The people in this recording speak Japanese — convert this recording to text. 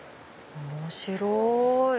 面白い！